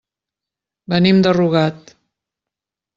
Venim de Rugat.